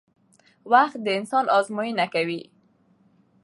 وخت د انسان ازموینه کوي